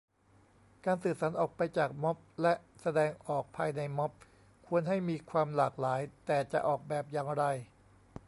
การสื่อสารออกไปจากม็อบ และแสดงออกภายในม็อบ ควรให้มีความหลากหลาย แต่จะออกแบบอย่างไร